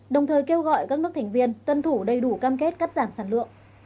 đồng thời kêu gọi các nước thành viên tuân thủ đầy đủ cam kết cắt giảm sản lượng